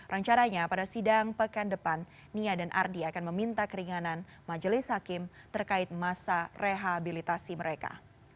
rencananya pada sidang pekan depan nia dan ardi akan meminta keringanan majelis hakim terkait masa rehabilitasi mereka